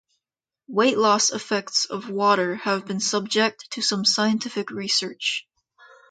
Weight loss effects of water have been subject to some scientific research.